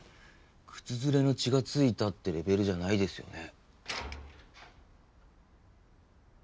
靴擦れの血がついたってレベルじゃないですよね。